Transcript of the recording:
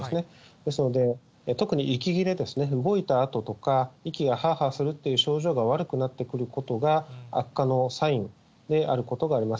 ですので、特に息切れですね、動いたあととか、息がはあはあするっていう症状が悪くなってくることが、悪化のサインであることがあります。